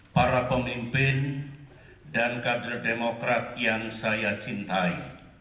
para pemimpin dan kader demokrat yang saya cintai